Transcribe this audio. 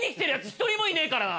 １人もいねえからな。